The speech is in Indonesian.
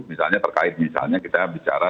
misalnya terkait misalnya kita bicara